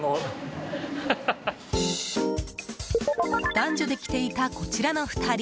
男女で来ていた、こちらの２人。